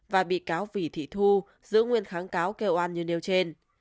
và bị cáo vì thị thu giữ nguyên kháng cáo kêu an như nêu trên